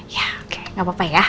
ya oke gak apa apa ya